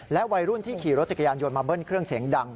วัยรุ่นที่ขี่รถจักรยานยนต์มาเบิ้ลเครื่องเสียงดัง